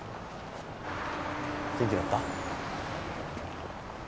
元気だった？